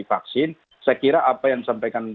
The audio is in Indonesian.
vaksin saya kira apa yang disampaikan